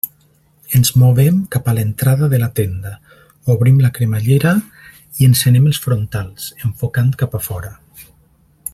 Ens movem cap a l'entrada de la tenda, obrim la cremallera i encenem els frontals, enfocant cap a fora.